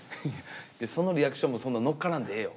そのリアクションもそんな乗っからんでええよ。